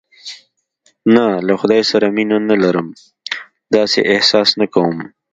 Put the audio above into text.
نه، له خدای سره مینه نه لرم، داسې احساس نه کوم.